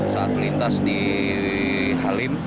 saat melintas di halim